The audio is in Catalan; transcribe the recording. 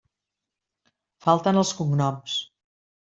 Falten els cognoms.